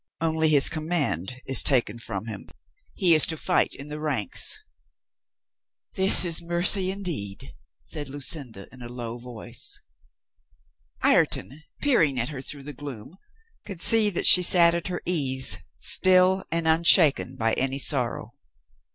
Only his com mand is taken from him ; he is to fight in the ranks." "This is mercy indeed," said Luclnda In a low voice. Ireton, peering at her through the gloom, could see that she sat at her ease, still and unshaken by any sorrow.